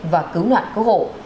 và cứu nạn cứu hộ